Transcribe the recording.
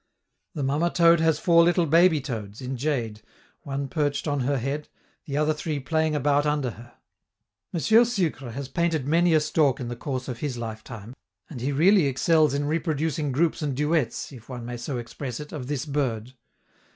The mamma toad has four little baby toads, in jade, one perched on her head, the other three playing about under her. M. Sucre has painted many a stork in the course of his lifetime, and he really excels in reproducing groups and duets, if one may so express it, of this bird.